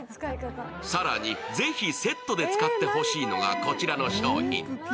更に、ぜひセットで使ってほしいのがこちらの商品。